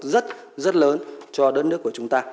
rất rất lớn cho đất nước của chúng ta